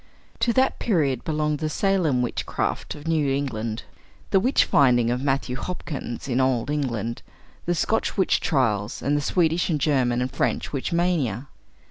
To that period belonged the Salem witchcraft of New England, the witch finding of Matthew Hopkins in Old England, the Scotch witch trials, and the Swedish and German and French witch mania.